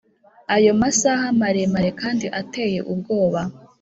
ayo masaha maremare kandi ateye ubwoba;